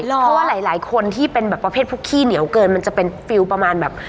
เพราะว่าหลายคนที่เป็นแบบประเภทพวกขี้เหนียวเกินมันจะเป็นฟิลประมาณแบบ